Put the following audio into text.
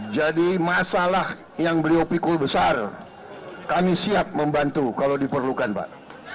jadi masalah yang beliau pikul besar kami siap membantu kalau diperlukan pak